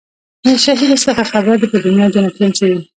له شهیده څه خبر دي پر دنیا جنتیان سوي